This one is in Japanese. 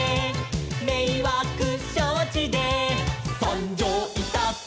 「めいわくしょうちでさんじょういたす」